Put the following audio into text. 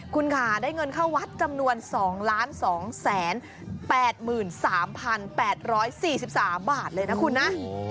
คุณค่ะได้เงินเข้าวัดจำนวน๒๒๘๓๘๔๓บาทเลยนะคุณนะ